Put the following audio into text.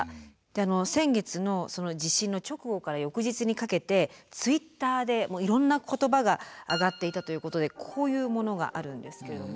先月の地震の直後から翌日にかけてＴｗｉｔｔｅｒでいろんな言葉が上がっていたということでこういうものがあるんですけれども。